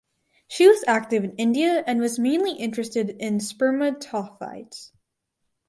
She was active in India and was mainly interested in Spermatophytes.